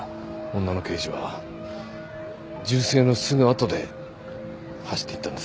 女の刑事は銃声のすぐあとで走っていったんですね？